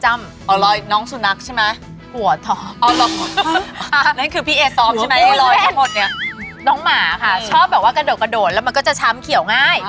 เหมือนกาวกับไอซ์เลย